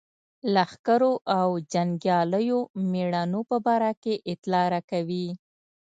لښکرو او جنګیالیو مېړنو په باره کې اطلاع راکوي.